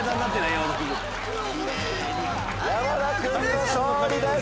山田君の勝利です。